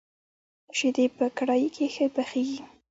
شيدې په کړايي کي ښه پخېږي.